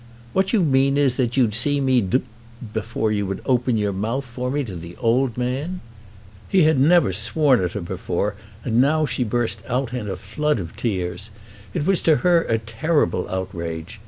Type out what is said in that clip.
"What you mean is that you'd see me d d before you would open your mouth for me to the old man!" He had never sworn at her before, and now she burst out into a flood of tears. It was to her a terrible outrage.